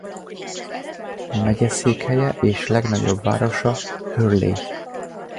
Megyeszékhelye és legnagyobb városa Hurley.